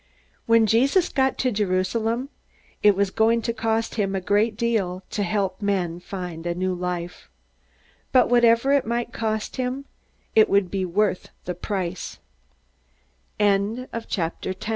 When Jesus got to Jerusalem, it was going to cost him a great deal to help men find a new life. But whatever it might cost him, it would be worth the price. 11.